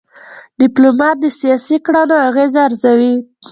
ډيپلومات د سیاسي کړنو اغېز ارزوي.